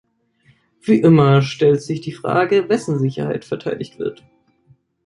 Wie immer stellt sich die Frage, wessen Sicherheit verteidigt wird.